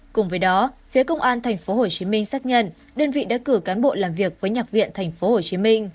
cùng với đó phía công an tp hcm xác nhận đơn vị đã cử cán bộ làm việc với nhạc viện tp hcm